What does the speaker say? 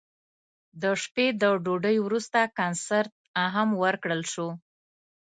د شپې له ډوډۍ وروسته کنسرت هم ورکړل شو.